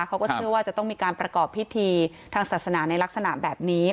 เขาก็เชื่อว่าจะต้องมีการประกอบพิธีทางศาสนาในลักษณะแบบนี้